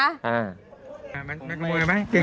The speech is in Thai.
อ่า